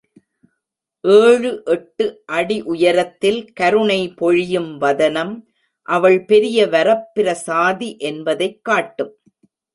ஏழு எட்டு அடி உயரத்தில் கருணை பொழியும் வதனம், அவள் பெரிய வரப்பிரசாதி என்பதைக்காட்டும்.